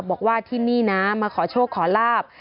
บอกว่าที่นี่นะมาขอโชคขอลาบ